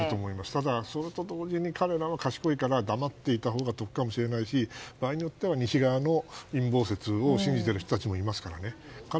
ただ、それと同時に彼らは賢いから黙っていたほうが得かもしれないし場合によっては西側の陰謀説を信じている人たちもいますからね。